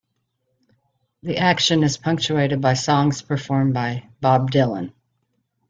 The action is punctuated by songs performed by Bob Dylan.